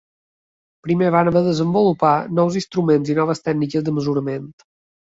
Primer van haver de desenvolupar nous instruments i noves tècniques de mesurament.